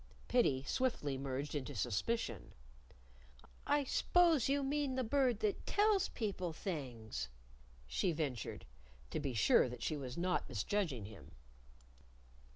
Pity swiftly merged into suspicion. "I s'pose you mean the Bird that tells people things," she ventured to be sure that she was not misjudging him.